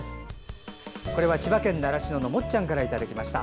これは千葉県習志野市のもっちゃんからいただきました。